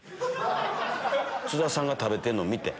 津田さんが食べてんの見て。